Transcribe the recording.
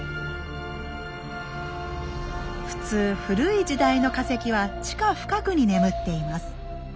普通古い時代の化石は地下深くに眠っています。